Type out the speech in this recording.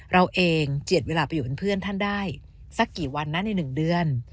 เราเองเจียดเวลาไปอยู่เป็นเพื่อนท่านได้สักกี่วันนะใน๑เดือน